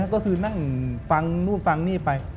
ก็คือนั่งฟังนู่นฟังนี่ไป